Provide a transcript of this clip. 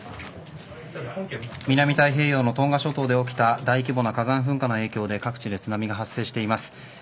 南太平洋のトンガ諸島で起きた大規模な火山噴火の影響で各地で津波が発生しています。